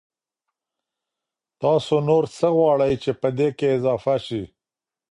تاسو نور څه غواړئ چي پدې کي اضافه سي؟